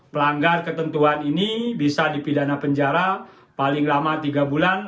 pelanggar ketentuan ini bisa dipidana penjara paling lama tiga bulan